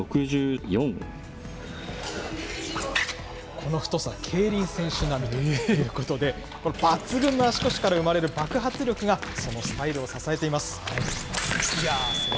この太さ、競輪選手並みということで、抜群の足腰から生まれる爆発力が、そのスタイルを支えています。